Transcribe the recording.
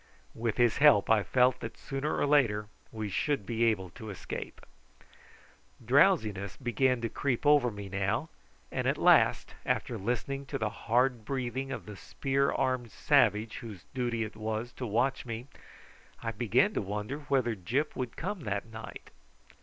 With his help I felt sure that sooner or later we should be able to escape. Drowsiness began to creep over me now, and at last, after listening to the hard breathing of the spear armed savage whose duty it was to watch me, I began to wonder whether Gyp would come that night.